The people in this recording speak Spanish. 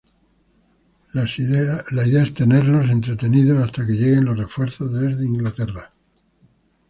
La idea es tenerlos entretenidos hasta que lleguen los refuerzos desde Inglaterra.